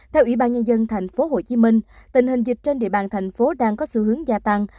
theo ủy ban nhân dân tp hcm tình hình dịch trên địa bàn thành phố đang có xu hướng gia tăng